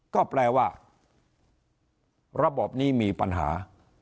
ก็แปลว่าระบบนี้มีปัญหา